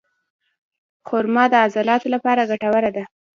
خرما د عضلاتو لپاره ګټوره ده.